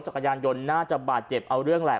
จักรยานยนต์น่าจะบาดเจ็บเอาเรื่องแหละ